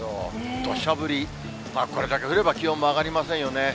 どしゃ降り、まあこれだけ降れば気温も上がりませんよね。